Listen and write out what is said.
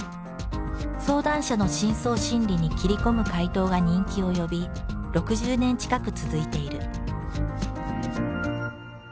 相談者の深層心理に切り込む回答が人気を呼び６０年近く続いている。